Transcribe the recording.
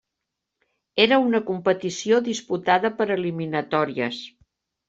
Era una competició disputada per eliminatòries.